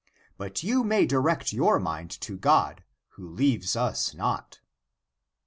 But you may direct your mind to God, who leaves us not."